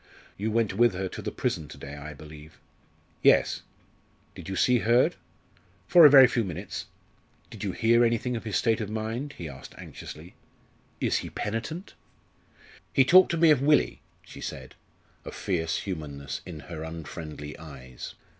"You went with her to the prison to day, I believe?" "Yes." "Did you see Hurd?" "For a very few minutes." "Did you hear anything of his state of mind?" he asked anxiously. "Is he penitent?" "He talked to me of Willie," she said a fierce humanness in her unfriendly eyes.